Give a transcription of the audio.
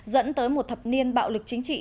dẫn tới một thập niên bạo lực chính trị